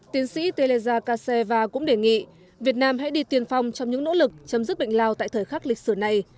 tiến sĩ tê lê gia kaseva cũng đề nghị việt nam hãy đi tiền phong trong những nỗ lực chấm dứt bệnh lao tại thời khắc lịch sử này